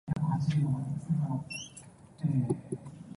豉椒炒蜆